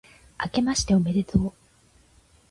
あけましておめでとう、